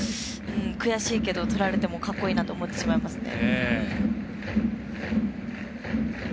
悔しいけど取られてもかっこいいなと思ってしまいますね。